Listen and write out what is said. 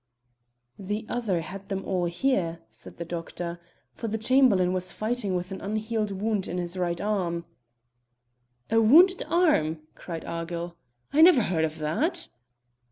"The other had them all here," said the doctor, "for the Chamberlain was fighting with an unhealed wound in his right arm." "A wounded arm!" cried Argyll. "I never heard of that."